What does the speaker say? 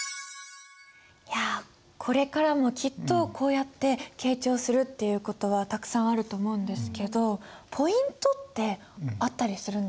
いやこれからもきっとこうやって傾聴するっていう事はたくさんあると思うんですけどポイントってあったりするんですか？